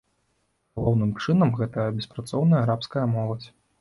Галоўным чынам гэта беспрацоўная арабская моладзь.